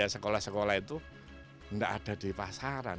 sekolah sekolah itu tidak ada di pasaran